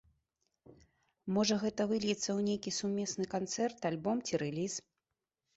Можа, гэта выльецца ў нейкі сумесны канцэрт, альбом ці рэліз.